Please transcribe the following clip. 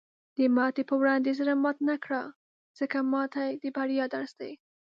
د ماتې په وړاندې زړۀ مات نه کړه، ځکه ماتې د بریا درس دی.